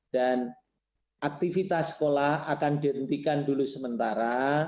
dan aktivitas sekolah akan dihentikan dulu sementara